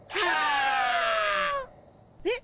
えっ？